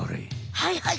はいはい。